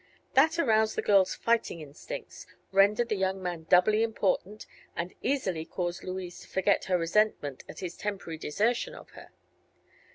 That aroused the girl's fighting instincts, rendered the young man doubly important, and easily caused Louise to forget her resentment at his temporary desertion of her.